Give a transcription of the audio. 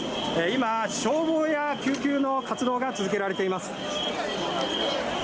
今、消防や救急の活動が続けられています。